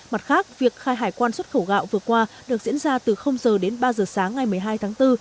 mặt khác việc khai hải quan xuất khẩu gạo vừa qua được diễn ra từ giờ đến ba giờ sáng ngày một mươi hai tháng bốn